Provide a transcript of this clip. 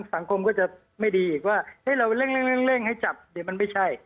สังคมก็จะไม่ดีอีกว่าเราเร่งให้จับเดี๋ยวมันไม่ใช่